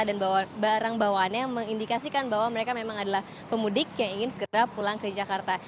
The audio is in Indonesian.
dan barang bawaannya yang mengindikasikan bahwa mereka memang adalah pemudik yang ingin segera pulang ke jakarta